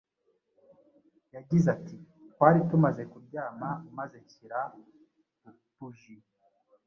Yagize ati:“Twari tumaze kuryama maze nshyira buji